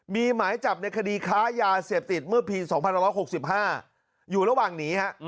มีหมายจับในคดีค้ายาเสพติดเมื่อปี๒๑๖๕อยู่ระหว่างหนีฮะ